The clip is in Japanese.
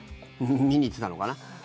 見に行ってたのかな？